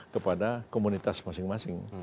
kepada komunitas masing masing